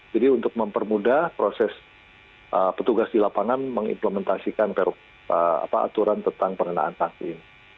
jadi untuk mempermudah proses petugas di lapangan mengimplementasikan aturan tentang pengenaan sanksi ini